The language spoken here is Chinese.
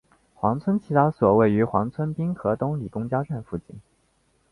黄村祈祷所位于黄村滨河东里公交站附近。